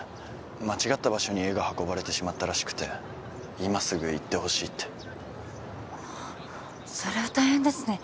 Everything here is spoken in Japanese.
間違った場所に絵が運ばれてしまったらしくて今すぐ行ってほしいってあっそれは大変ですね